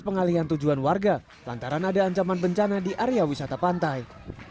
pengalihan tujuan warga lantaran ada ancaman bencana di area wisata pantai